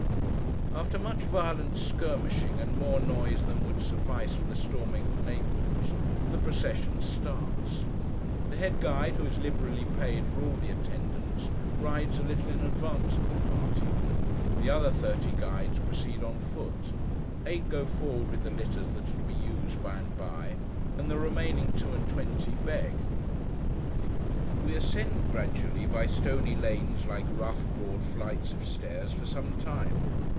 After much violent skirmishing, and more noise than would suffice for the storming of Naples, the procession starts. The head guide, who is liberally paid for all the attendants, rides a little in advance of the party; the other thirty guides proceed on foot. Eight go forward with the litters that are to be used by and by; and the remaining two and twenty beg. We ascend, gradually, by stony lanes like rough broad flights of stairs, for some time.